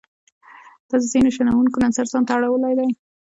دا د ځینو شنونکو نظر ځان ته اړولای دی.